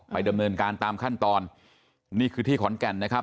ดำเนินการตามขั้นตอนนี่คือที่ขอนแก่นนะครับ